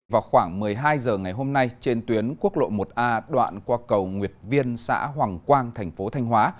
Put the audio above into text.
vào khoảng một mươi hai h ngày hôm nay trên tuyến quốc lộ một a đoạn qua cầu nguyệt viên xã hoàng quang thành phố thanh hóa